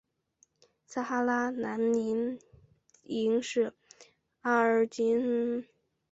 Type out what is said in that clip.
撒哈拉难民营是阿尔及利亚廷杜夫省境内的一系列撒哈拉人难民营的总称。